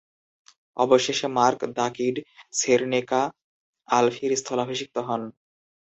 অবশেষে Mark "the Kid" সেরনেকা আলফির স্থলাভিষিক্ত হন।